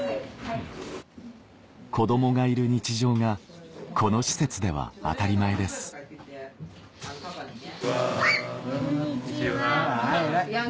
子供がいる日常がこの施設では当たり前ですこんにちは。